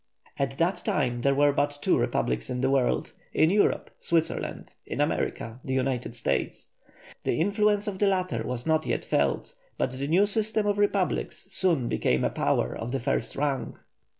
At that time there were but two republics in the world in Europe, Switzerland; in America, the United States. The influence of the latter was not yet felt, but the new system of republics soon became a power of the first rank.